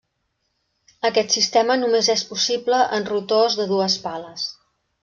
Aquest sistema només és possible en rotors de dues pales.